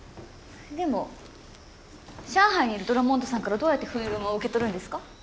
でも上海にいるドラモンドさんからどうやってフィルムを受け取るんですか？